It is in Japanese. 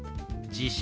「地震」。